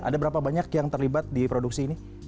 ada berapa banyak yang terlibat di produksi ini